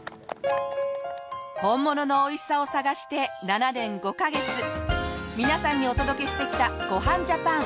本物のおいしさを探して７年５カ月皆さんにお届けしてきた『ごはんジャパン』